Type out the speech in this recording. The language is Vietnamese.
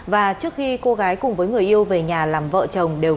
và trước khi cô gái cùng với người yêu về nhà làm vợ chồng đều